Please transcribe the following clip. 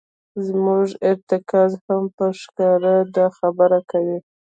زموږ ارتکاز هم په ښکاره دا خبره کوي.